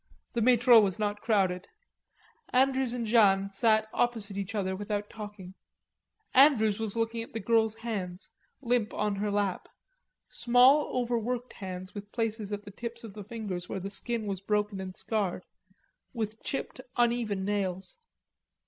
The Metro was not crowded, Andrews and Jeanne sat opposite each other without talking. Andrews was looking at the girl's hands, limp on her lap, small overworked hands with places at the tips of the fingers where the skin was broken and scarred, with chipped uneven nails.